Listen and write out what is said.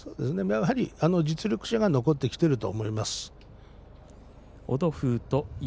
実力者が残ってきていると思います。